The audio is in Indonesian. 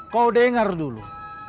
kau dengar dulu